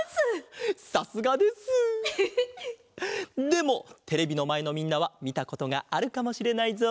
でもテレビのまえのみんなはみたことがあるかもしれないぞ。